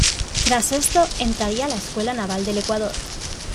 Tras esto, entraría a la Escuela Naval del Ecuador.